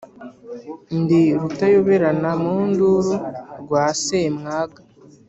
Ndi Rutayoberana mu nduru rwa Semwaga